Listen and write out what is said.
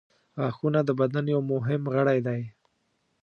• غاښونه د بدن یو مهم غړی دی.